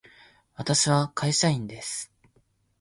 私は会社員です。